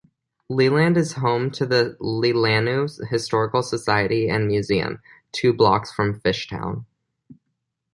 Leland is home to the Leelanau Historical Society and Museum, two blocks from Fishtown.